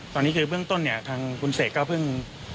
ตอนนี้คือเบื้องต้นคุณเศกก็เพิ่ง